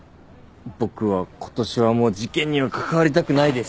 僕は今年はもう事件には関わりたくないです。